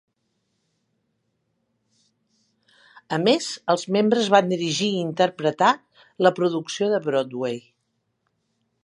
A més, els membres van dirigir i interpretar la producció de Broadway.